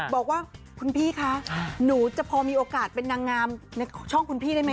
บอกว่าคุณพี่คะหนูจะพอมีโอกาสเป็นนางงามในช่องคุณพี่ได้ไหม